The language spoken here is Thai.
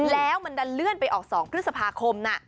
แล้วมันดันเลื่อนไปออก๒พฤษภาคมนะ